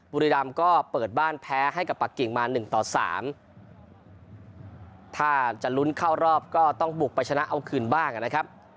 บุรีรำก็เปิดบ้านแพ้ให้กับปากกิ่งมาหนึ่งต่อสามถ้าจะลุ้นเข้ารอบก็ต้องบุกไปชนะเอาคืนบ้างนะครับ